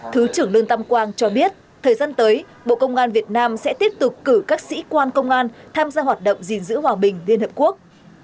thứ trưởng lương tâm quang cho biết thời gian tới bộ công an việt nam sẽ tiếp tục cử các sĩ quan công an tham gia hoạt động gìn giữ hòa bình liên hợp quốc